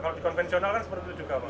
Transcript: kalau di konvensional kan seperti itu juga